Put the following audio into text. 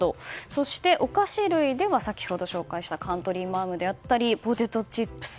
そして、お菓子類では先ほど紹介したカントリーマアムであったりポテトチップス。